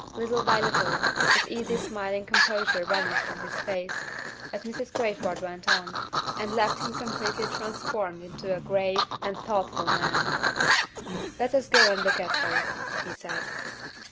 Little by little, its easy smiling composure vanished from his face, as Mrs. Crayford went on, and left him completely transformed into a grave and thoughtful man. "Let us go and look at her," he said.